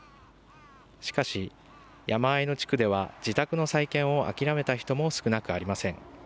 しかし、山あいの地区では自宅の再建を諦めた人も少なくありません。